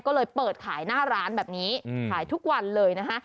ก็เลยเปิดขายหน้าร้านแบบนี้ขายทุกวันเลยนะคะ